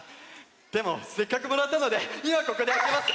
でもせっかくもらったのでいまここであけます！